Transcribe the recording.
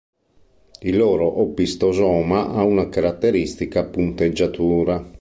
Il loro opistosoma ha una caratteristica punteggiatura.